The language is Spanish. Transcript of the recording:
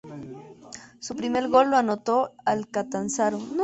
Su primer gol lo anotó al Catanzaro.